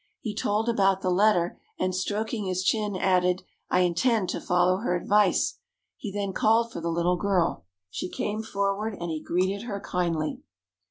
He told about the letter, and stroking his chin, added: "I intend to follow her advice!" He then called for the little girl. She came forward, and he greeted her kindly.